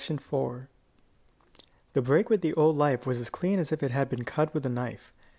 IV The break with the old life was as clean as if it had been cut with a knife.